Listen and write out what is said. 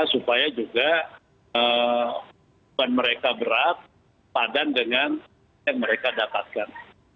supaya juga ban mereka berat padan dengan yang mereka dapatkan